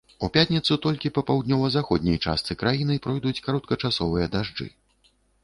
У пятніцу толькі па паўднёва-заходняй частцы краіны пройдуць кароткачасовыя дажджы.